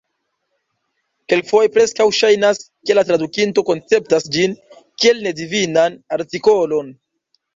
Kelkfoje preskaŭ ŝajnas, ke la tradukinto konceptas ĝin kiel nedifinan artikolon.